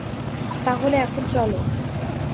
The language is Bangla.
তাহলে এখন চল!